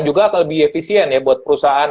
juga akan lebih efisien ya buat perusahaan